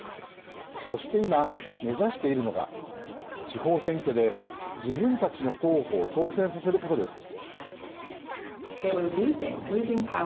そして今、目指しているのが地方選挙で自分たちの候補を当選させることです。